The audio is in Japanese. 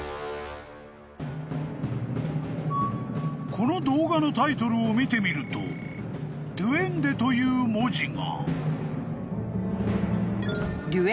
［この動画のタイトルを見てみると「Ｄｕｅｎｄｅ」という文字が］